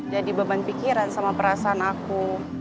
jadi beban pikiran sama perasaan aku